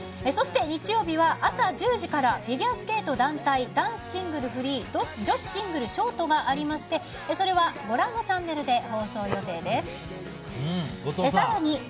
そして、日曜日は朝１０時からフィギュアスケート団体男子シングルフリー女子シングルショートがありましてそれはご覧のチャンネルで放送予定です。